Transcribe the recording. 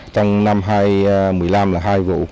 trong năm hai nghìn một mươi năm là hai vụ